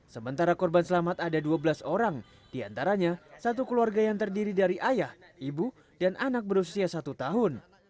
sementara korban selamat ada dua belas orang diantaranya satu keluarga yang terdiri dari ayah ibu dan anak berusia satu tahun